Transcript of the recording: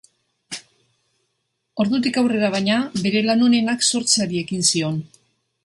Ordutik aurrera baina bere lan onenak sortzeari ekin zion.